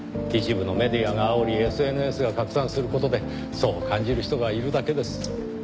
一部のメディアがあおりＳＮＳが拡散する事でそう感じる人がいるだけです。